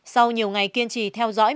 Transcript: sau nhiều ngày kiên trì theo dõi